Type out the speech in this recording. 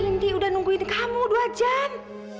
inti udah nungguin kamu dua jam